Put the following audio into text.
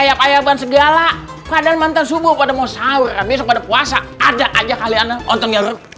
ayat ayat segala padan mantan subuh pada mau sahur habis pada puasa ada aja kalian